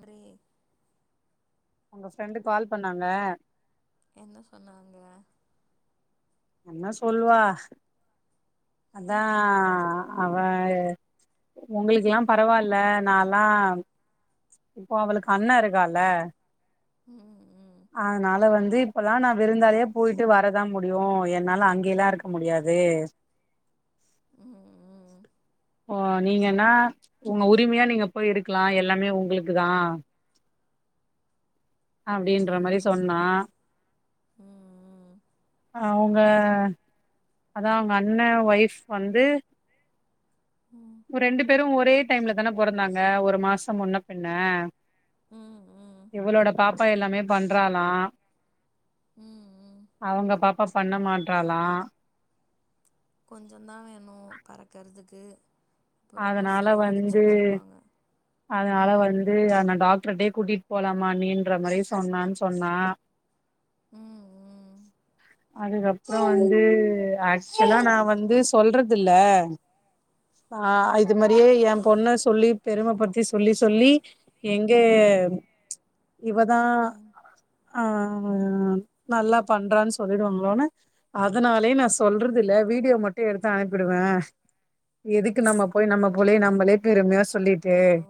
Pray உங்க friend call பண்ணாங்க என்ன சொன்னாங்க என்ன சொல்வா அதா அவ ஒங்களுக்லா பரவால்ல நால்லா இப்போ அவளுக்கு அண்ண இருக்கால்ல ம் ம் அதுனால வந்து இ ப்பல்லா நா விருந்தாளியா போயிட்டு வரதா முடியு என்னால அங்கயெல்லா இருக்க முடியாது ம் போ நீங்கன்னா உங்க உரிமையா நீங்க போய் இருக்கலா எல்லாமே உங்ளுக்குதா ம் அப்டின்ற மாரி ம் சொன்னா ம் அவுங்க அதா அண்ண ஒய்ஃப் வந்து ம் ம் ரெண்டு பேரு ஒரே டைம்ல தான பொறந்தாங்க ஒரு மாசம் முன்ன பின்ன ம் ம் இவளோட பாப்பா எல்லாமே பண்றாலா ம் ம் அவுங்க பாப்பா பண்ண மாட்றாலா கொஞ்சந்தா வேணு பறக்கற்துக்கு அதனால வந்து அதனால ம் வந்து அங்க டாக்ட்ருடயே கூட்டிட் போலாமா அண்ணின்ற மாரி சொன்னான் சொன்னா ம் ம் அதுகப்ற வந்து ஆக்சுவலா நா வந்து சொல்றதில்ல ஆ இது மாரியே ஏ பொண்ண சொல்லி பெரும படுத்தி சொல்லி சொல்லி எங்க இவதா ம் ஆ நல்லா பண்றான் சொல்லிடுவாங்ளோனு அதனாலயே நா சொல்றதில்ல வீடியோ மட்டு எடுத்து அனுப்பிடுவே எதுக் கு நம்ம போய் நம்ம புள்ளய நம்மளே பெருமையா சொல்லி ட்டு சோ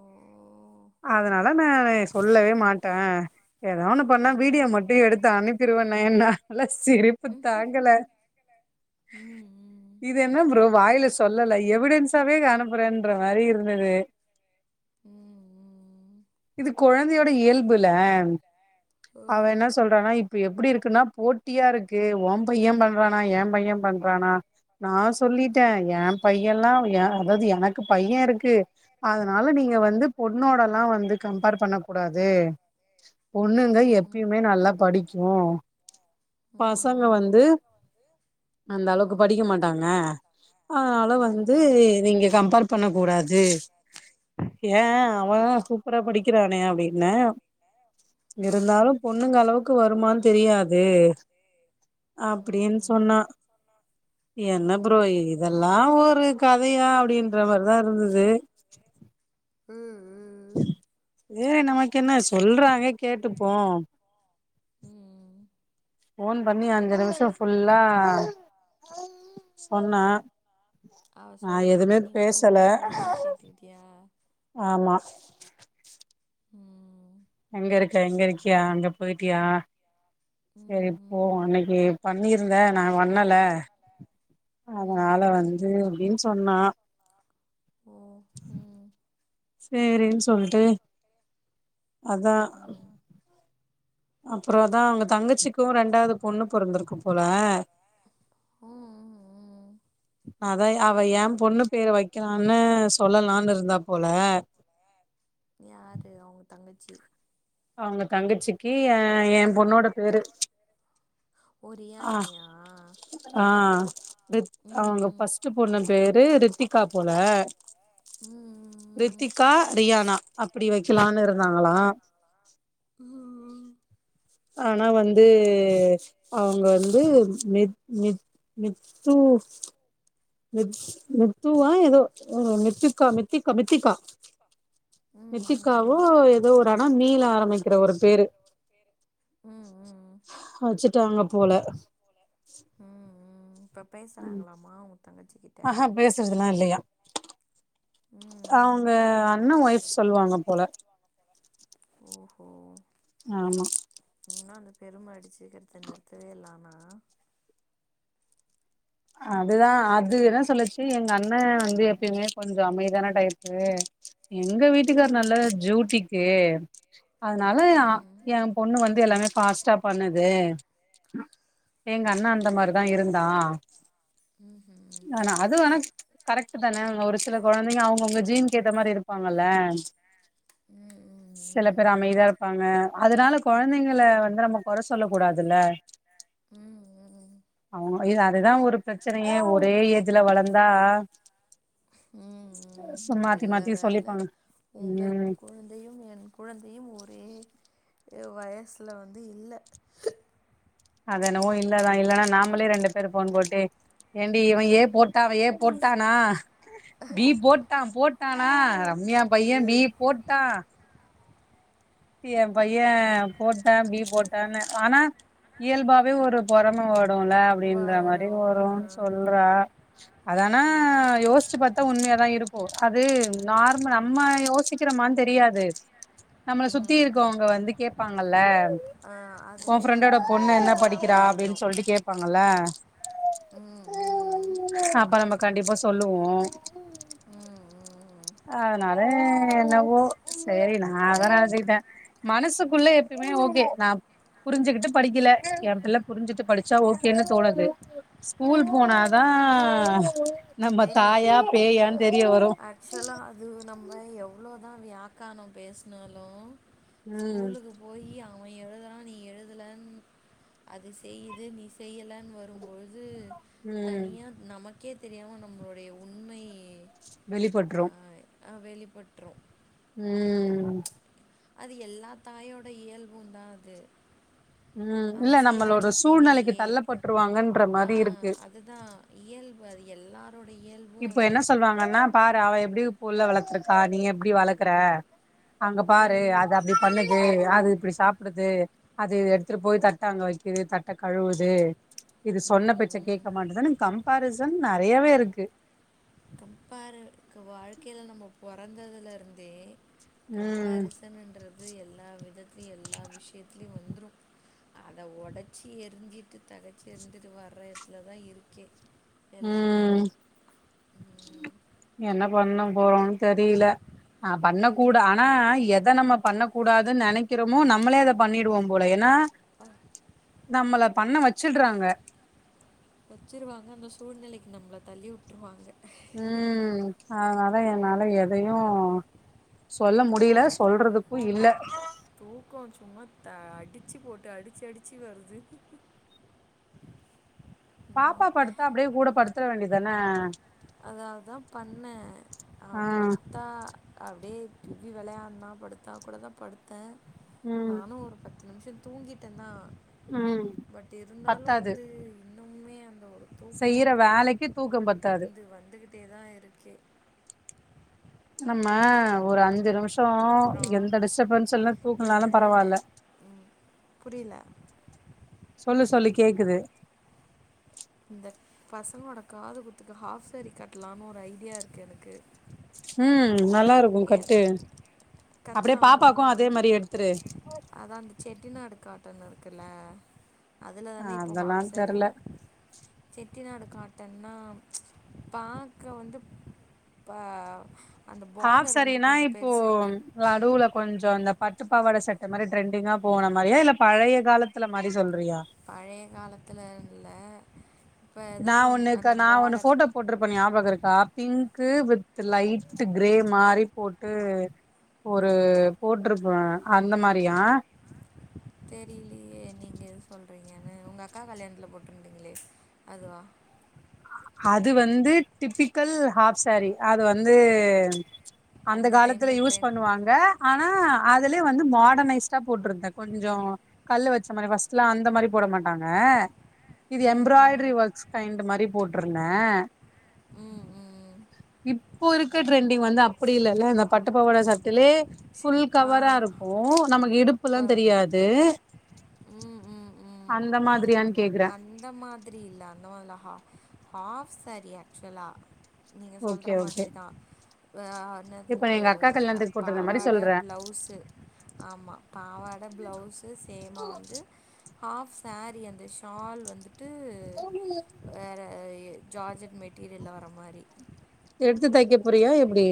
அதனால நானு சொல்லவே மாட்டே எதோ ஒன்னு பண்ணா வீடியோ இன்னொன் மட்டு எடுத்து அனுப்பிருவேன்னேனா ல சிரிப்பு ம் தாங்கல ம் ம் இது என்ன ப்ரோ வாயில சொல்லல எவிடன்ஸ் ஸாவே அனுப்புறேன்ற மாரி இருந்தது ம் இது கொழந்தையோட இயல்புல ம் அவ ஓ என்ன சொல்றானா இப்ப எப்பிடி இருக்குன்னா போட்டியா இருக்கு ஓம்பைய பண்றானா ஏம்பைய பண்றானா நா சொல்லிட்டே ஏ பையல்லா ஏ அதாது எனக்கு பைய இருக்கு அதனால நீங்க வந்து பொண்ணோடல்லா வந்து கம்பேர் பண்ணக்கூடா து பொண்ணுங்க எப்யுமே நல்லா படிக்கு பசங்க வந்து அந்த அளவ்க்கு படிக்க மாட்டாங்க அதனால வந்து நீங்க கம்பேர் பண்ணக்கூடாது ஏ அவதா சூப்பரா படிக்கிறானே அப்டி ன்ன இருந்தாலு பொண்ணுங்க அளவுக்கு வருமான் தெரியாது அப்டீன் சொன்னா என்ன ப்ரோ இதெல்லா ஒரு க தயா அப்டின்ற மாரிதா இருந்தது ம் ம் சேரி நமக்கென்ன சொல்றாங்க கேட்டுப்போ ம்‌ ம் ஃபோன் பண்ணி அஞ்சு நிமிஷொ ஃபுல்லா சொன்னா அவ நா சொல்ல எதுமே சொல்ல நீ ஊ பேசல ஊ ஊன் கேட்டுகிட்டியா ஆமா ம் எங்கருக்க இங்கருக்கியா அங்க போயிட்டியா ம் செரி போவொ ம் இன்னக்கி பண்ணி ருந்த நாங்க வண்ணல ம் அதனால ம் வந்து அப்டின் சொன்னா ஓ ம் சேரின் சொல்ட்டு அதா ம் அப்றொ அதா அவுங்க தங்கச்சிக்கு ரெண்டாது பொண்ணு பொறந்துருக்கு போல ம் ம் அதா அவ ஏ பொண்ணு பேர வக்கலான்னு சொல்லலானு இருந்தா போல யாரு அவுங்க தங்கச்சி அவுங்க தங்கச்சிக்கு ஏ ஏ பொண்ணோட பேரு ஒ ஆ ரியானியா ம் அவுங்க ம் ஃபர்ஸ்ட்டு பொண்ணு பேரு ரித்திகா போல ம் ம் ரித்திகா ரியானா அப்டி வக்கலான் இருந்தாங்களா ம் ம் ஆனா வந்து அவுங்க வந்து மித் மித் மித்து மித் மித்துவா எதோ ஒ மித்திக்கா மித்திக்கா மித்திகா ம் மித்திகாவோ ம் ஏதோ ஒரு ஆனா மி ல ஆரம்பிக்கிற ஒரு பேரு ம் ம் ஆச்ச ட்டாங்க போல இப்ப பேஸ்றாங்களாமா ஆஹா பேசறதுல்லா இல்லயா ம் ம் அவங்க அண்ண ஒய்ஃப் சொல்லுவாங்க போல ஓஹோ ஆமா ன்னா அந்த பெருமை அடிச்சுக்கிறத நிறுத்தவேல்ல ஆனா அதுதா அது என்ன சொல்லுச்சு எங்க அண்ண வந்து எப்பயுமே கொஞ்ச அமைதியான டைப்பு எங்க வீட்டுக்கார் நல்ல ஜூட்டிக்கு அதனால அ ம் எ பொண்ணு வந்து எல்லாமே ஃபாஸ்ட்டா பண்ணுது எங்க அண்ணா அந்த மாரி தா இருந்தா ம்ஹும் தாரா அது வ கரெக்ட் தானே ஒரு சில கொழந்தைங்க அவங்க உங்க ஜீன் கேத்த மாரி இருப்பாங்கல்ல ம் சில பேர் ம் அமைதிய ப்பாங்க அதனால கொழந்தைங்கள வந்து நம்ம கொற சொல்ல கூடாதுல்ல ம் ம் இம்ம இதா இதுதா ஒரு ப்ரச்சனையே ஒரே ஏஜ்ல வளந்தா ம் ம் சு மாத்தி நல்ல மாத்தி வேல சொல்லிப்பாங்க உங்கள் ம் குழந்தையு என் குழந்தையு ஒரே வயசுல வந்து இல்ல அதென்னவோ இல்லதா இல்லன்னா நாமளே ரெண்டு பேர் போன் போட்டே ஏண்டி இவ ஏ போட்ட அவ ஏ போட்டானா பி போட்டா போட்டான் னா ஏ பைய பி ம் போட்டா எ பைய போட்டா பி போட்டானு ஆனா இயல்பாவே ஒரு பொறம வ ந்தோன அப்டின்ற வரு மாரி ஒரு ம் சொல்றா அதானா யோஸ்ச்சு பாத்தா உண்மையாதா இருப்போ அது நார்ம நம்ம யோசிக்கிறமா தெரியாது சுத்தி ம் ம் இருக்கவங்க வந்து கேப்பாங்கல்ல ஆ உ அதுலயே ப்ரெண்டோட வந்து அந்த பொண்ணு ஒரு என்ன பொறாம படிக்கிறா வந்துரு அப்டின் சொல்லிட்டு கேப்பாங்கல்ல ம் ம் அப்ப நம்ப கண்டிப்பா சொல்லுவோ ம் ம் அதனாலே என்னவோ சரி நா அதா நெனைச்சுகிட்டே மனசுக்குள்ள எப்பமே ஓகே நா புரிஞ்சுகிட்டு படிக்கல எ பிள்ள புரிஞ்சுட்டு படிச்சா ஓகேன்னு தோணுது ஸ்கூல் ம் ம் போனாதா நம்ம தாயா பேயா தெரிய வரு துலா அது நம்ப எவ் அவ்வளோதா வியாக்கானோம் பேசுனாலு ம் ஸ்கூலுக்கு போயி அ அவ எழுதுறா நீ எழுதுலன் அது செய்யுது நீ செய்யலன் வரும்பொழுது ம் தனியா நமக் உனக்கே தெரியா உனு நம்மளுடைய உண்மை வெளிப்பட்ரு ஆ வெளிப்பட்ரு ம் அது எல்லா தாயோட இயல்புந்தா அது ம் இல்ல அவன் செய்கிறான் நம்மளோட நீ சூழ்நெலைக்கு செய்யலையே தள்ளப்பட்டுருவாங்கன்ற மாரி இருக்கு எல்லா ருடைய இப்போ என்ன சொல்வாங்கன்னா பாரு அவ எப்டி புல்ல வளத்துருக்கா நீ எப்டி வளக்குற அங்க பாரு ம். அது அப்டி பண்ணுது யாரு இப்டி சாப்புடுது அது எடுத்துட்டு போய் தட்ட அங்க வெக்குது தட்ட கழுவுது இது ம், சொன்னபேச்ச ம். கேக்க மாட்டங்குதுதேனங் கம்பேரிஸ் துன் நறையாவே இருக்கு கம்ப்பேரு இருக்க வாழ்க்கையில நம்போ பொறந்ததுலருந்தே ம் கம்பேரிசனுன்றது எல்லா விதத்திலயு எல்லா விஷ்யத்திலயு வந் ரு அத ஒடச்சி எரிஞ்சிட்டு தகச்சு இருந்துட்டு வர்ற இதுலதா இருக்கே எல்லாமே ம் ம். என்ன பண்ண போறோன் தெரில ஆ பண்ணக்கூட ஆனா எத நம்ம பண்ணக் கூடாதுன் நெனைக்கிறோமோ நம்மளே அதப் பண்ணிடுவோம் போல ஏன்னா நம்மள பண்ண வெச்சுடுறாங்க வெச்சுருவாங்க அந்த சூழ்நிலைக்கு நம்மள தள்ளி உட்டுருவாங்க ம் அதனால என்னால ம். எதையு சொல்ல மு முடியில அட சொல்றதுக்கு போங்க. இல்ல தூக்கம் சும்மா த அடிச்சு போட்டு அடிச்சு அடிச்சு வருது பாப்பா படுத்தா அப்டியே கூட படுத்துடு வேண்டிதான அதாவதா பண்ண அவ ஆ படுத்தா அப்டியே சுஜி வெளையாடுனா படுத்தா கூடதா படுத்த ம் நானு ஒரு பத் நிமிஷம் தூங்கிட்டேன் தான் ம் பட் இருந்தாலு வந்து இன்னுமே அந்த செய்யிற வேலைக்கு தூக்கம் பத்தாது வந்து வந்துக்கிட்டே தா இருக்கேன் ஆமா ஒரு அஞ்சு நிமிஷ் அப்றோ அப்புறம் எந்த டிஸ்டப்பன்ஸ் இல்ல இந்த தூக்கலானும் பரவாயில்ல ம், புரியல சொல்லு சொல்லு கேக்குது இந்த பசங்களோட காது குத்துக்கு ஹாப் சாரீ கட்டலாம்னு ஒரு ஐடியா இருக்கு எனக்கு ம் நல்லா இருக்கும் ஏன் கட்டு அப்டியே கட்டலாமா பாப்பாக்கும் அதே வேணா மாரி எடுத்துரு டன் இருக்குல்ல அதில் தானே இப்போ அதெல்லா ஹாஃப் தெர்ல சாரியில் செட்டிநாடு காட்டன்னா பாக்க வந்து ப அந்த ஹாப் பார்டர் வந்து சாரினா கொஞ்சம் இப்போ பெருசு நடுவுல கொஞ்சம் இந்த பட்டுப்பாவாட சட்ட மாரி ட்ரெண்டிங்கா போன மாரியா இல்ல பழைய காலத்துல மாரி சொல் பழைய காலத்துல இல்ல நா ஒன்னு நா ஒன்னு பார்டர் போட்டோ போட்ருப்பேன் ஞாபகம் இருக்கா பிங்க்கு வித் லைட் கிரே மாரி போட்டு ஒரு போட்ருப்பேன் அந்த மாரியா தெரிலியே நீங்க எது சொல்றீங்கன்னு உங்க அக்கா கல்யாணத்துல போட்டிருந்தீங்களே அதுவா அது வந்து டிபிக்கல் ஹாஃப் சாரி அது வந்து அந்த காலத்துல டைமில் யூஸ் ட்ரெண்ட் பண்ணுவாங்க ஆனா அதுலே வந்து மார்டன்னைஸ்டா போட்டுருந்தேன் கொஞ்சம் கல்லு வச்ச மாரி ஃபஸ்ட்லா அந்த மாரி போட மாட்டாங்க இது ம் எம்பிராய்டரி ம் ஒர்க்ஸ் கைண்ட் மாரி போட்டுருந்தேன் ம் ம் இப்போ இருக்க டிரெண்ட் [unintelligible] வந்து அப்டி இல்லல இந்த பட்டுப்பாவாட சட்டைலயே ஃபுல் ஆ கவரா இருக்கும் நமக்கு இடுப்புலா இப்போ தெரியாது ம் ம் ம் அந்த மாதிரியானு கேக்குறேன் அந்த மாதிரி இல்ல அந்த மாதிரில ஹா ஹாஃப் சாரி ஆக்சுவலா நீங்க சொல்ற ஓகே ஓகே மாதிரிதான் ஆ என்னது இப்ப எங்க அக்கா பா கல்யாணத்துக்கு போட்டிருந்த மாரி பாவாட சொல்ற பிளவுஸ்சு ஆமா பாவாட பிளவுஸ்சு சேமா வந்து ஹாஃப் சாரி அந்த ஷால் வந்து [unintelligible] ஜார்ஜெட் மெட்டீரியல்ல வர மாரி எடுத்து தைக்க போறியா எப்டி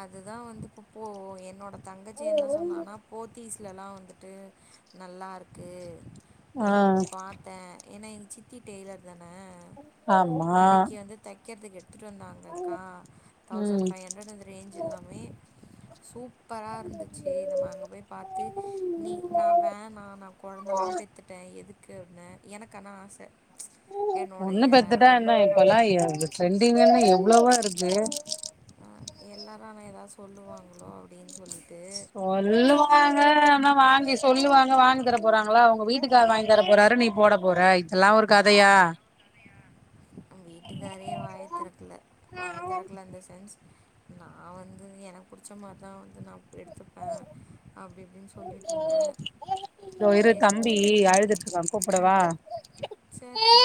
அது தா வந்து இப்ப போ என்னோட தங்கச்சி என்ன சொன்னானா போ த்தீஸ்லல்லா வந்துட்டு நல்லாருக்கு ஆ நா பாத்தே ஏனா எங்க சித்தி டெய்லர் தா ஆமா கெற்துக்கு எ ட்த்துட்டு வந்தாங்கக்கா தவுஸண் ம் ஃபை ஹன்ட்ரடு இந்த ரேஞ் எல்லாமே சூப்பரா இருந்துச்சு நம்ம அங்க போய் பாத்து நீ நா வேணா நா கொழந்தல்லா பெத்துட்டே எதுக்கு அப்னே எனக்கனா ஆச பொண்ணு பெத்துட்டா என்ன இப்பல்லா ஃபங்க் எ ட்ரெண்டிங்குன்னு எவ்ளவோ இரு [unintelligible] எல்லாரு அனா எதா சொல்லுவாங்களோ அப்டின் சொல்லி சொல்லுவாங்க அனா வாங்கி சொல்லுவாங்க வாங்கிதர போறாங்களா ஒங்க வீட்டுக்கார் வாங்கி தர போறாரு நீ போட போற இதெல்லா ஒரு கதயா நம் வீட்டுக்காரே வாய தெறக்ல வாய தெறக்கல அந்த சென்ஸ் நா வந்து எனக் புடுச்ச மார்தா வ ந்து நா ப எடுத்துப்பே அப்டி இப்டின் சொல்லிட்ருந்தே இதோ இரு சேரி தம்பி ஓகேன் சொல்ல அழுதுட்டு இருக்கா கூப்படவா ம் சேர் டி